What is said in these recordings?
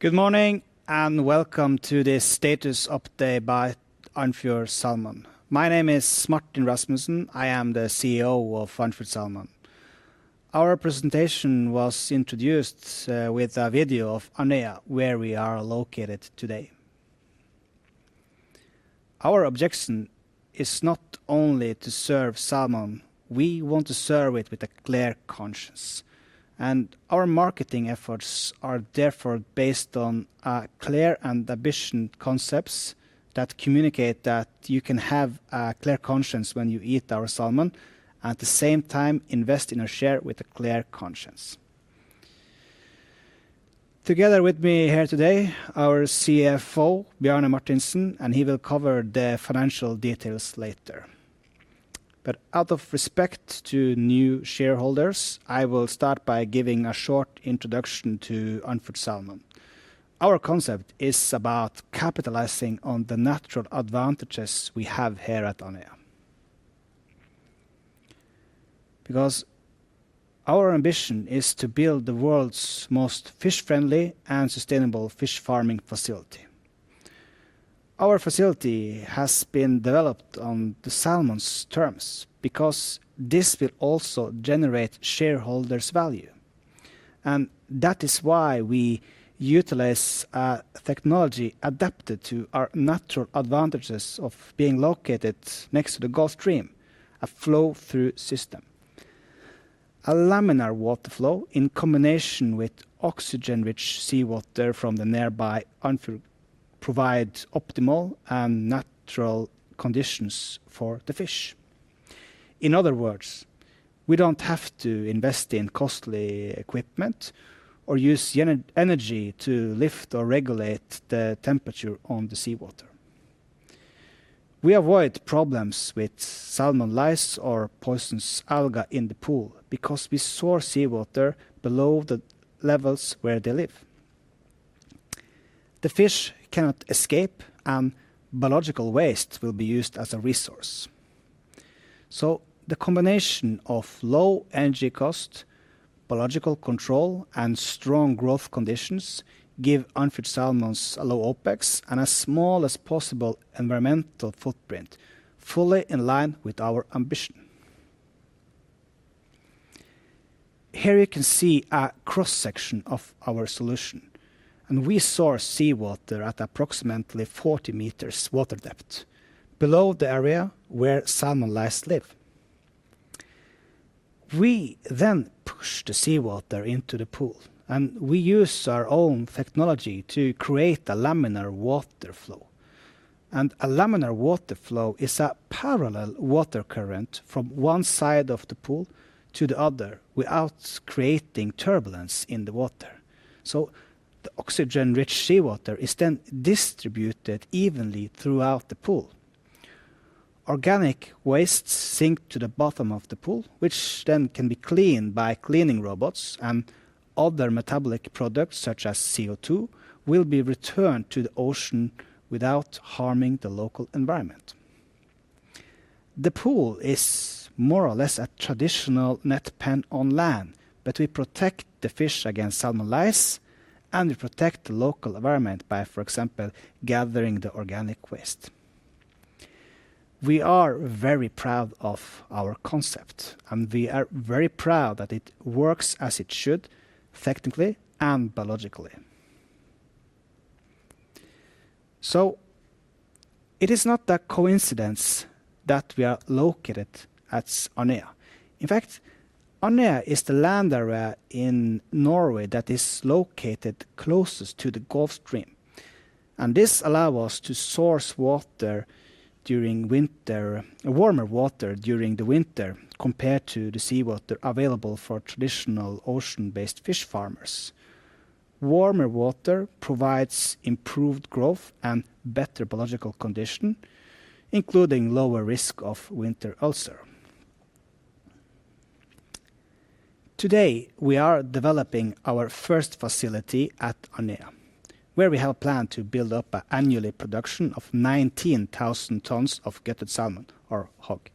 Good morning and welcome to the status update by Andfjord Salmon. My name is Martin Rasmussen. I am the CEO of Andfjord Salmon. Our presentation was introduced with a video of Andøya, where we are located today. Our objection is not only to serve salmon, we want to serve it with a clear conscience. Our marketing efforts are therefore based on clear and ambitioned concepts that communicate that you can have a clear conscience when you eat our salmon, at the same time invest in a share with a clear conscience. Together with me here today, our CFO, Bjarne Martinsen, and he will cover the financial details later. Out of respect to new shareholders, I will start by giving a short introduction to Andfjord Salmon. Our concept is about capitalizing on the natural advantages we have here at Andøya. Our ambition is to build the world's most fish-friendly and sustainable fish farming facility. Our facility has been developed on the salmon's terms because this will also generate shareholders value. That is why we utilize technology adapted to our natural advantages of being located next to the Gulf Stream, a flow through system. A laminar water flow in combination with oxygen-rich seawater from the nearby Andfjorden provide optimal and natural conditions for the fish. In other words, we don't have to invest in costly equipment or use energy to lift or regulate the temperature on the seawater. We avoid problems with salmon lice or poisonous algae in the pool because we source seawater below the levels where they live. The fish cannot escape, and biological waste will be used as a resource. The combination of low energy cost, biological control, and strong growth conditions give Andfjord Salmon a low OpEx and as small as possible environmental footprint, fully in line with our ambition. Here you can see a cross-section of our solution, and we source seawater at approximately 40 meters water depth, below the area where salmon lice live. We push the seawater into the pool, and we use our own technology to create a laminar water flow. A laminar water flow is a parallel water current from one side of the pool to the other without creating turbulence in the water. The oxygen-rich seawater is distributed evenly throughout the pool. Organic waste sink to the bottom of the pool, which then can be cleaned by cleaning robots and other metabolic products such as CO2, will be returned to the ocean without harming the local environment. The pool is more or less a traditional net pen on land, but we protect the fish against salmon lice, and we protect the local environment by, for example, gathering the organic waste. We are very proud of our concept, and we are very proud that it works as it should, effectively and biologically. It is not a coincidence that we are located at Andøya. In fact, Andøya is the land area in Norway that is located closest to the Gulf Stream. This allow us to source warmer water during the winter compared to the seawater available for traditional ocean-based fish farmers. Warmer water provides improved growth and better biological condition, including lower risk of winter ulcer. Today, we are developing our first facility at Andøya, where we have planned to build up a annually production of 19,000 tons of gutted salmon or HOG.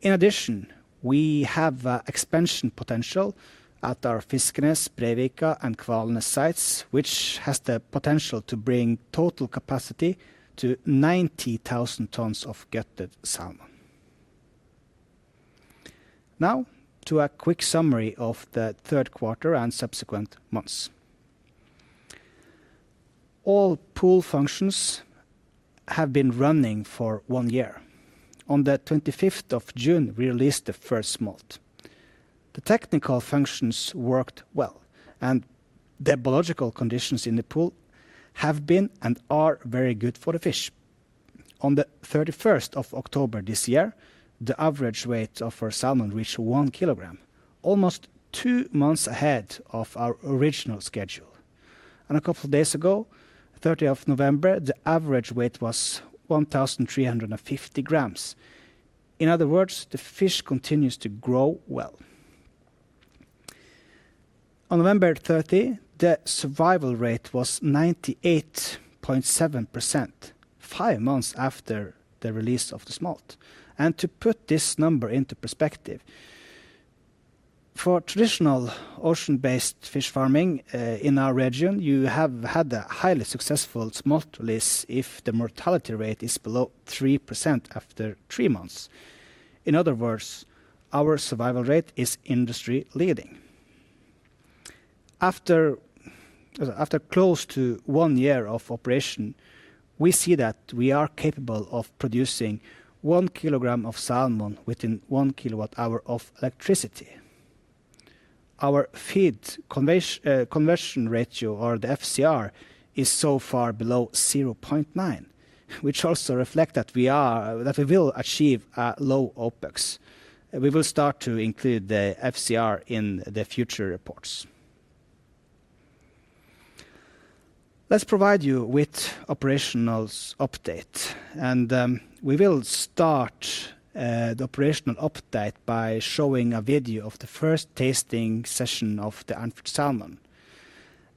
In addition, we have a expansion potential at our Fisknes, Breivik, and Kvalnes sites, which has the potential to bring total capacity to 90,000 tons of gutted salmon. Now, to a quick summary of the third quarter and subsequent months. All pool functions have been running for one year. On the 25th of June, we released the first smolt. The technical functions worked well, and the biological conditions in the pool have been and are very good for the fish. On the 31st of October this year, the average weight of our salmon reached 1 kg, almost two months ahead of our original schedule. A couple days ago, 30 of November, the average weight was 1,350 gs. In other words, the fish continues to grow well. On November 30, the survival rate was 98.7%, five months after the release of the smolt. To put this number into perspective, for traditional ocean-based fish farming, in our region, you have had a highly successful smolt release if the mortality rate is below 3% after three months. In other words, our survival rate is industry leading. After close to one year of operation, we see that we are capable of producing 1 kg of salmon within 1 kWh of electricity. Our feed conversion ratio, or the FCR, is so far below 0.9 kg, which also reflect that we will achieve a low OpEx. We will start to include the FCR in the future reports. Let's provide you with operations update. We will start the operational update by showing a video of the first tasting session of the Andfjord Salmon.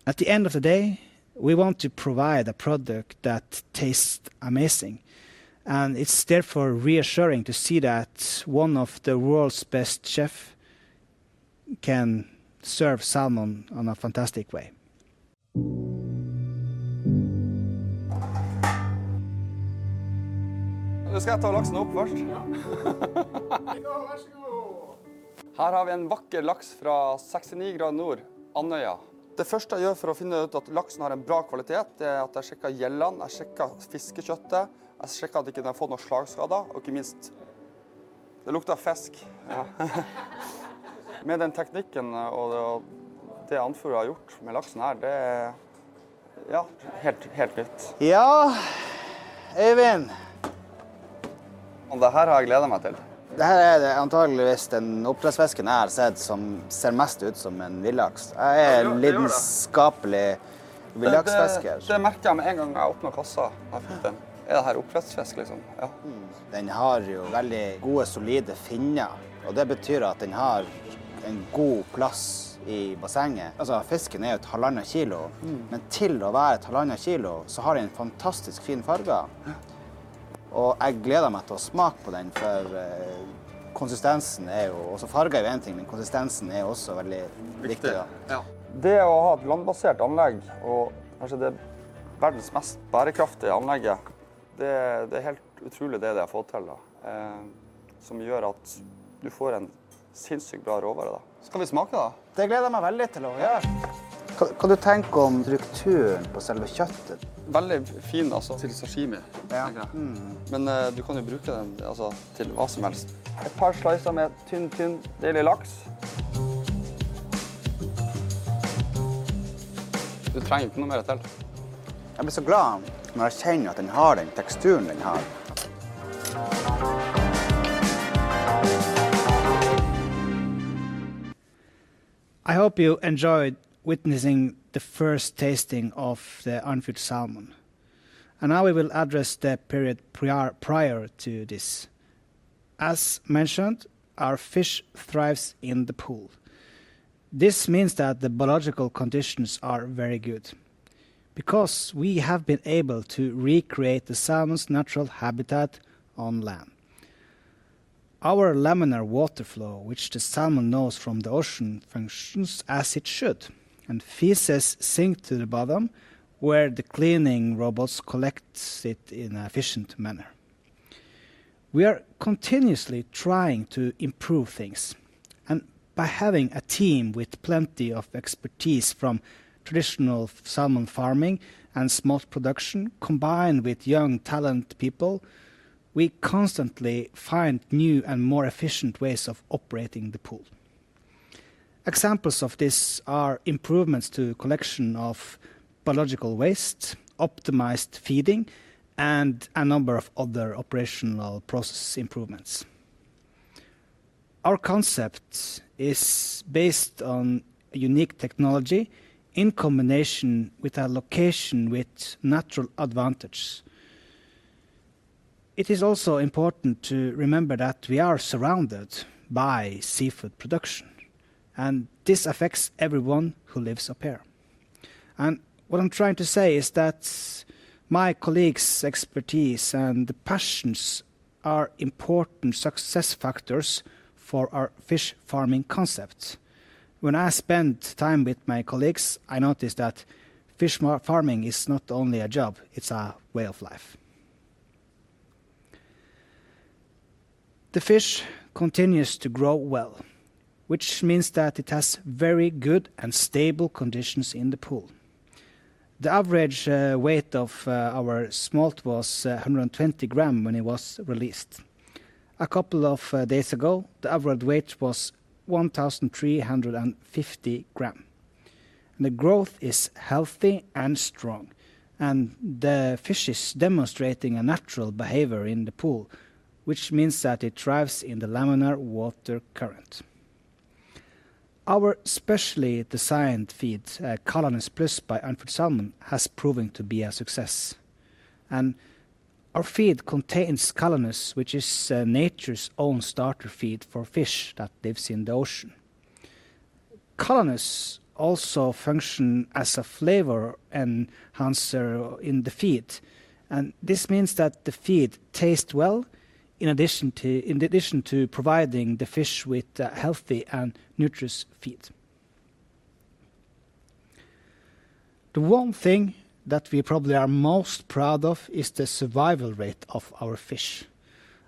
At the end of the day, we want to provide a product that tastes amazing, and it's therefore reassuring to see that one of the world's best chef can serve salmon on a fantastic way. Shall I take the salmon up first? Yes. Here you go. Here we have a beautiful salmon from 69 degrees North, Andøya. The first thing I do to find out that the salmon has a Important, yes. Having a land-based facility, and perhaps the world's most sustainable facility, it's quite incredible what that enables, which means that you get an incredibly good raw material. Shall we taste it? I'm really looking forward to doing that. What do you think of the structure of the flesh itself? Very fine, for sashimi. Yes. Mm-hmm. You can use it for anything. A few slices with a thin piece of salmon. You don't need anything more. I become so happy when I feel that it has that texture it has. I hope you enjoyed witnessing the first tasting of the Andfjord Salmon. Now we will address the period prior to this. As mentioned, our fish thrives in the pool. This means that the biological conditions are very good because we have been able to recreate the salmon's natural habitat on land. Our laminar water flow, which the salmon knows from the ocean, functions as it should, and feces sink to the bottom, where the cleaning robots collects it in an efficient manner. We are continuously trying to improve things, by having a team with plenty of expertise from traditional salmon farming and smolt production, combined with young, talent people, we constantly find new and more efficient ways of operating the pool. Examples of this are improvements to collection of biological waste, optimized feeding, and a number of other operational process improvements. Our concept is based on a unique technology in combination with a location with natural advantage. It is also important to remember that we are surrounded by seafood production, and this affects everyone who lives up here. What I'm trying to say is that my colleagues' expertise and passions are important success factors for our fish farming concept. When I spend time with my colleagues, I notice that fish farming is not only a job, it's a way of life. The fish continues to grow well, which means that it has very good and stable conditions in the pool. The average weight of our smolt was 120 g when it was released. A couple of days ago, the average weight was 1,350 g. The growth is healthy and strong, and the fish is demonstrating a natural behavior in the pool, which means that it thrives in the laminar water current. Our specially designed feed, Calanus Plus by Andfjord Salmon, has proven to be a success. Our feed contains Calanus, which is nature's own starter feed for fish that lives in the ocean. Calanus also function as a flavor enhancer in the feed, and this means that the feed tastes well in addition to providing the fish with a healthy and nutritious feed. The one thing that we probably are most proud of is the survival rate of our fish.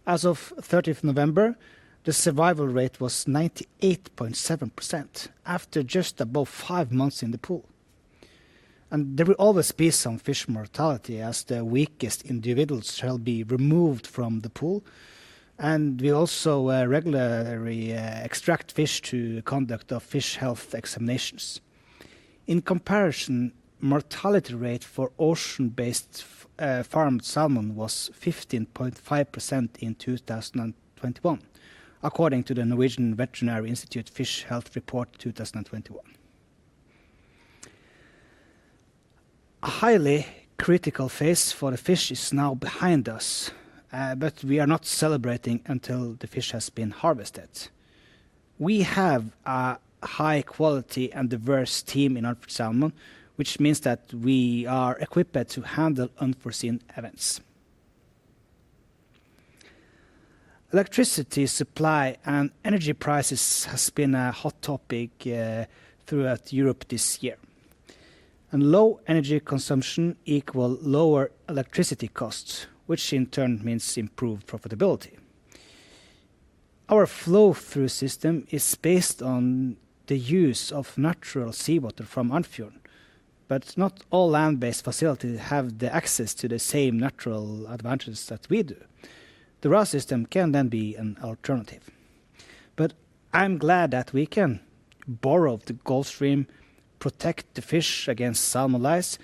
As of 3rd of November, the survival rate was 98.7% after just above five months in the pool. There will always be some fish mortality as the weakest individuals shall be removed from the pool, and we also regularly extract fish to conduct fish health examinations. In comparison, mortality rate for ocean-based farmed salmon was 15.5% in 2021, according to the Norwegian Veterinary Institute Fish Health Report 2021. A highly critical phase for the fish is now behind us, but we are not celebrating until the fish has been harvested. We have a high quality and diverse team in Andfjord Salmon, which means that we are equipped to handle unforeseen events. Electricity supply and energy prices has been a hot topic throughout Europe this year. Low energy consumption equal lower electricity costs, which in turn means improved profitability. Our flow-through system is based on the use of natural seawater from Andfjorden. Not all land-based facilities have the access to the same natural advantages that we do. The RAS system can be an alternative. I'm glad that we can borrow the Gulf Stream, protect the fish against salmon lice,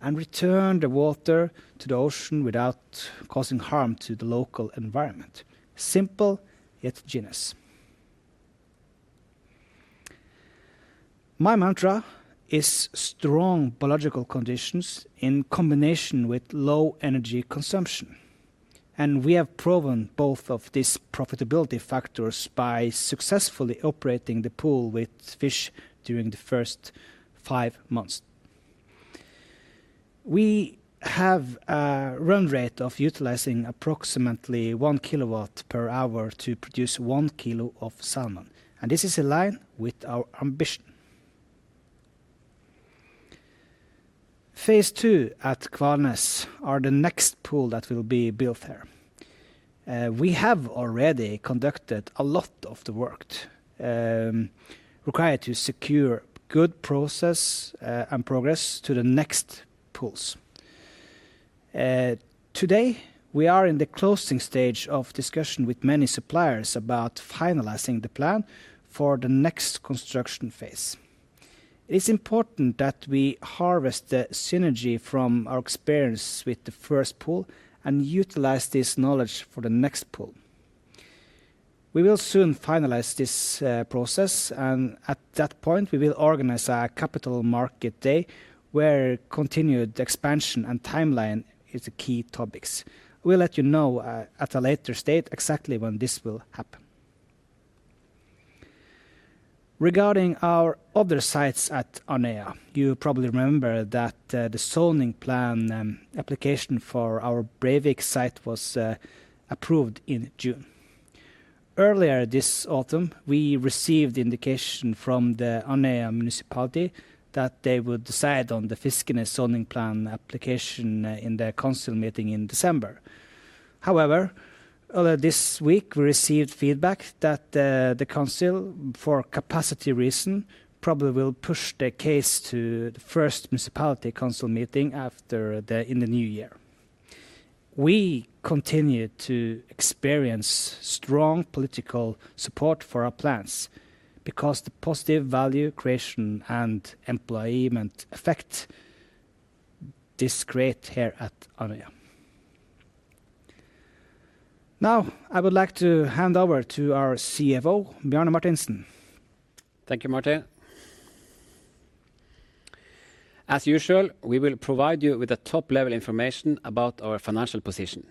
and return the water to the ocean without causing harm to the local environment. Simple yet genius. My mantra is strong biological conditions in combination with low energy consumption. We have proven both of these profitability factors by successfully operating the pool with fish during the first five months. We have a run rate of utilizing approximately 1 kWh to produce 1 kg of salmon. This is in line with our ambition. Phase II at Kvalnes are the next pool that will be built there. We have already conducted a lot of the work required to secure good process and progress to the next pools. Today, we are in the closing stage of discussion with many suppliers about finalizing the plan for the next construction phase. It is important that we harvest the synergy from our experience with the first pool and utilize this knowledge for the next pool. We will soon finalize this process, and at that point, we will organize a capital market day where continued expansion and timeline is the key topics. We'll let you know at a later date exactly when this will happen. Regarding our other sites at Andøya, you probably remember that the zoning plan application for our Breivik site was approved in June. Earlier this autumn, we received indication from the Andøy Municipality that they would decide on the Fisknes zoning plan application in their council meeting in December. Earlier this week, we received feedback that the council, for capacity reason, probably will push the case to the first municipality council meeting in the new year. We continue to experience strong political support for our plans because the positive value creation and employment effect is great here at Andøya. Now, I would like to hand over to our CFO, Bjarne Martinsen. Thank you, Martin. As usual, we will provide you with a top-level information about our financial position.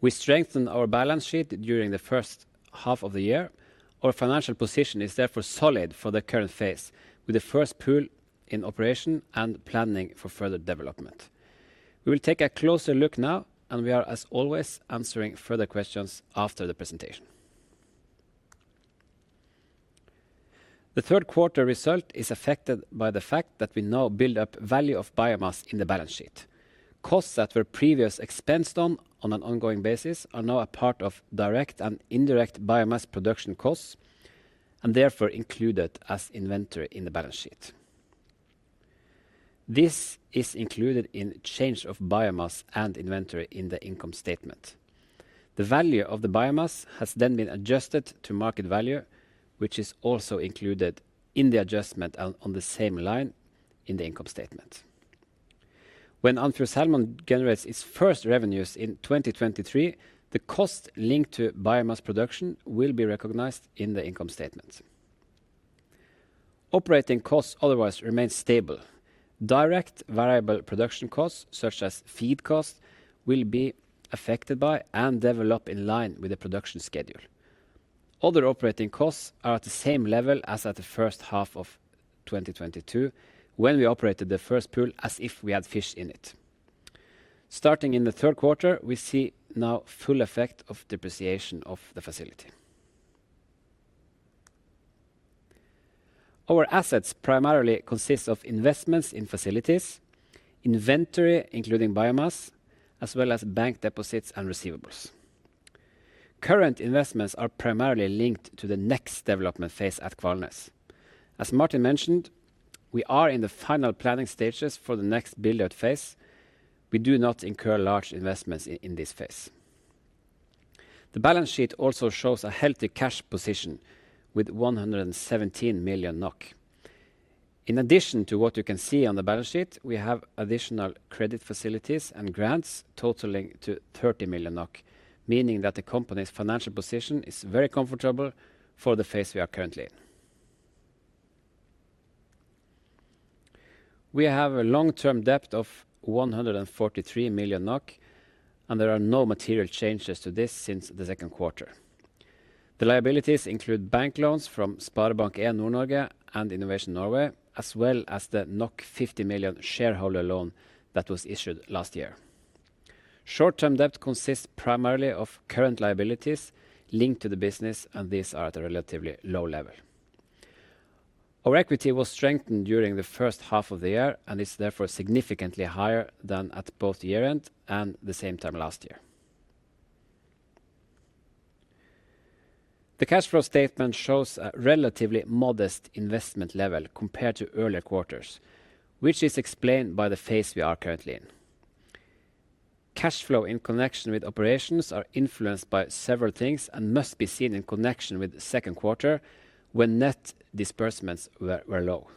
We strengthened our balance sheet during the first half of the year. Our financial position is therefore solid for the current phase, with the first pool in operation and planning for further development. We will take a closer look now, and we are, as always, answering further questions after the presentation. The third quarter result is affected by the fact that we now build up value of biomass in the balance sheet. Costs that were previous expensed on an ongoing basis are now a part of direct and indirect biomass production costs, and therefore included as inventory in the balance sheet. This is included in change of biomass and inventory in the income statement. The value of the biomass has been adjusted to market value, which is also included in the adjustment on the same line in the income statement. When Andfjord Salmon generates its first revenues in 2023, the cost linked to biomass production will be recognized in the income statement. Operating costs otherwise remain stable. Direct variable production costs, such as feed costs, will be affected by and develop in line with the production schedule. Other operating costs are at the same level as at the first half of 2022 when we operated the first pool as if we had fish in it. Starting in the third quarter, we see now full effect of depreciation of the facility. Our assets primarily consist of investments in facilities, inventory including biomass, as well as bank deposits and receivables. Current investments are primarily linked to the next development phase at Kvalnes. As Martin mentioned, we are in the final planning stages for the next build-out phase. We do not incur large investments in this phase. The balance sheet also shows a healthy cash position with 117 million NOK. In addition to what you can see on the balance sheet, we have additional credit facilities and grants totaling to 30 million, meaning that the company's financial position is very comfortable for the phase we are currently in. We have a long-term debt of 143 million NOK, and there are no material changes to this since the second quarter. The liabilities include bank loans from SpareBank 1 Nord-Norge and Innovation Norway, as well as the 50 million shareholder loan that was issued last year. Short-term debt consists primarily of current liabilities linked to the business, and these are at a relatively low level. Our equity was strengthened during the first half of the year and is therefore significantly higher than at both year-end and the same time last year. The cash flow statement shows a relatively modest investment level compared to earlier quarters, which is explained by the phase we are currently in. Cash flow in connection with operations are influenced by several things and must be seen in connection with the second quarter when net disbursements were low.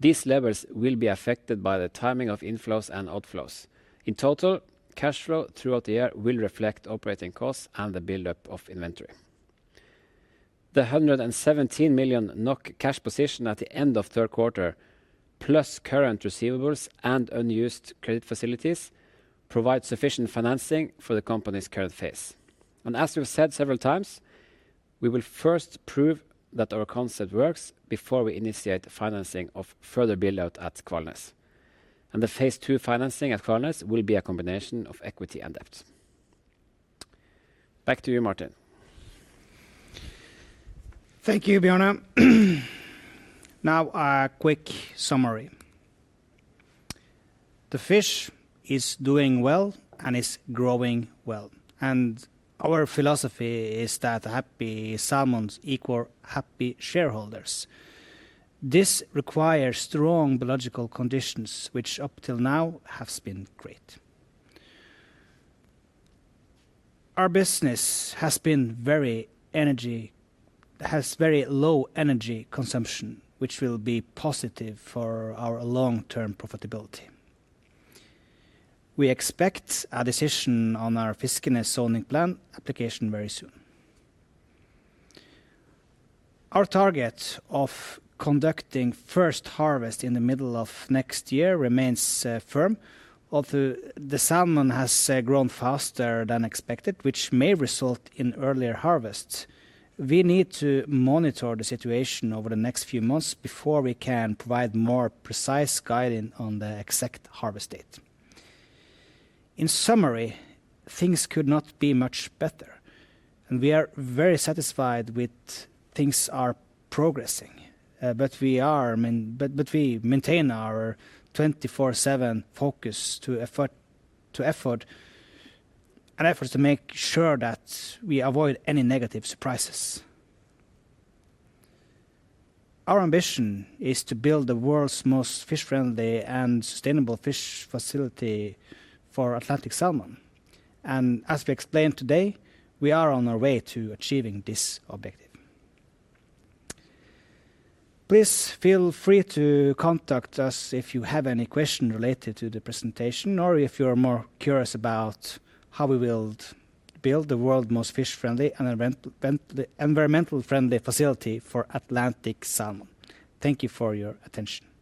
These levels will be affected by the timing of inflows and outflows. In total, cash flow throughout the year will reflect operating costs and the buildup of inventory. The 117 million NOK cash position at the end of third quarter, plus current receivables and unused credit facilities, provide sufficient financing for the company's current phase. As we've said several times, we will first prove that our concept works before we initiate financing of further build-out at Kvalnes. The phase II financing at Kvalnes will be a combination of equity and debt. Back to you, Martin. Thank you, Bjarne. A quick summary. The fish is doing well and is growing well, our philosophy is that happy salmons equal happy shareholders. This requires strong biological conditions, which up till now has been great. Our business has very low energy consumption, which will be positive for our long-term profitability. We expect a decision on our Fisknes zoning plan application very soon. Our target of conducting first harvest in the middle of next year remains firm. The salmon has grown faster than expected, which may result in earlier harvests, we need to monitor the situation over the next few months before we can provide more precise guidance on the exact harvest date. In summary, things could not be much better, we are very satisfied with things are progressing. We are main... We maintain our 24/7 focus to effort and efforts to make sure that we avoid any negative surprises. Our ambition is to build the world's most fish-friendly and sustainable fish facility for Atlantic salmon. As we explained today, we are on our way to achieving this objective. Please feel free to contact us if you have any question related to the presentation or if you're more curious about how we build the world's most fish-friendly and environmental-friendly facility for Atlantic salmon. Thank you for your attention.